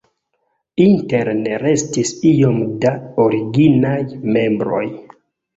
Interne restis iom da originaj mebloj.